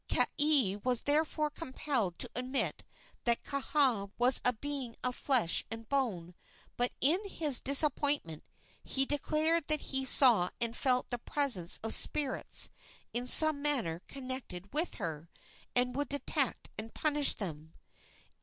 Kaea was therefore compelled to admit that Kaha was a being of flesh and bone; but in his disappointment he declared that he saw and felt the presence of spirits in some manner connected with her, and would detect and punish them.